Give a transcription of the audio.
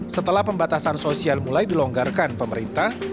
setelah pembatasan sosial mulai dilonggarkan pemerintah